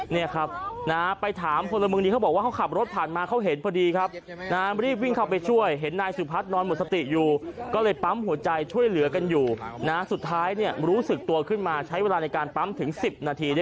นี่ครับไปถามคนละมึงดีเขาบอกว่าเขาขับรถผ่านมาเขาเห็นพอดีครับ